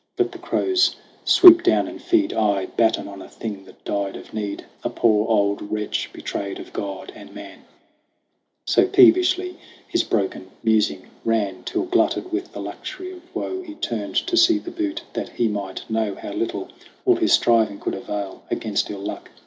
Let the crows swoop down and feed, Aye, batten on a thing that died of need, A poor old wretch betrayed of God and Man ! So peevishly his broken musing ran, Till, glutted with the luxury of woe, He turned to see the butte, that he might know How little all his striving could avail Against ill luck.